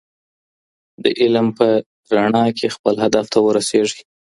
د علم په رڼا کي خپل هدف ته ورسېږئ.